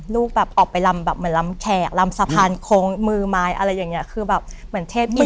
ลูกแบบออกไปลำแบบเหมือนลำแขกลำสะพานโค้งมือไม้อะไรอย่างเงี้ยคือแบบเหมือนเทพมีด